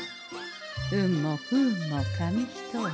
運も不運も紙一重。